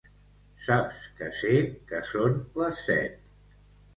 Saps que sé que són les set.